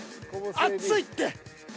熱いって！